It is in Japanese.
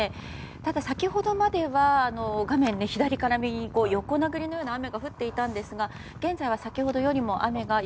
ただ、先ほどまでは画面左から右へ横殴りのような雨が降っていたんですが現在は先ほどよりも雨が。